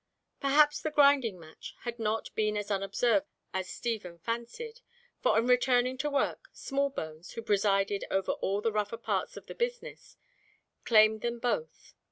Perhaps the grinding match had not been as unobserved as Stephen fancied, for on returning to work, Smallbones, who presided over all the rougher parts of the business, claimed them both.